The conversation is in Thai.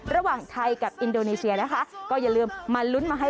ระหว่างไทยกับอินโดนีเซียนะคะก็อย่าลืมมาลุ้นมาให้